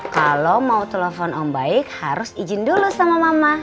kalau mau telepon om baik harus izin dulu sama mama